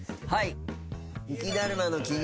はい。